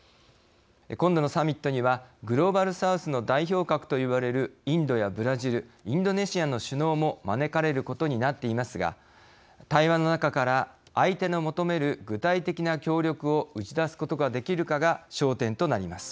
今度のサミットにはグローバル・サウスの代表格と言われるインドやブラジルインドネシアの首脳も招かれることになっていますが対話の中から相手の求める具体的な協力を打ち出すことができるかが焦点となります。